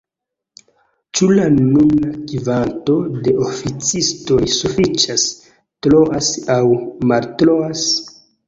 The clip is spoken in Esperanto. Ĉu la nuna kvanto de oficistoj sufiĉas, troas aŭ maltroas?